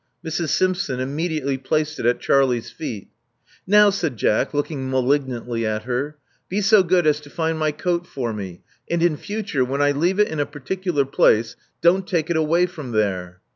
Mrs. Simpson immediately placed it at Charlie's feet. *'Now/* said Jack, looking malignantly at her, be so good at to find my coat for me; and in future, when I leave it in a particular place, don't take it away from there."